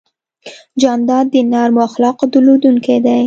جانداد د نرمو اخلاقو درلودونکی دی.